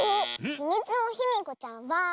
「ひみつのヒミコちゃん」は。